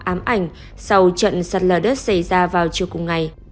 ám ảnh sau trận sạt lở đất xảy ra vào trưa cùng ngày